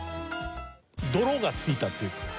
泥がついたっていうかさ